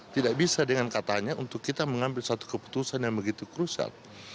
tidak bisa dengan katanya untuk kita mengambil satu keputusan yang begitu krusial